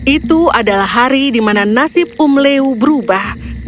itu adalah hari di mana nasib um leu berubah